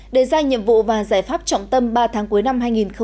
đề ra nhiệm vụ và giải pháp trọng tâm ba tháng cuối năm hai nghìn một mươi chín